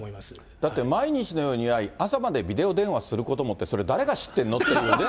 だって、毎日のように会い、朝までビデオ電話することもって、それ、誰が知ってんのっていうね。